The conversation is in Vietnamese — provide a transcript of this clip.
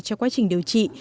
cho quá trình điều trị